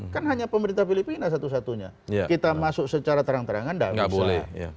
kan hanya pemerintah filipina satu satunya kita masuk secara terang terangan tidak bisa